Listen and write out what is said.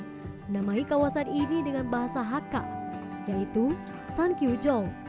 menamai kawasan ini dengan bahasa hakka yaitu san kiujong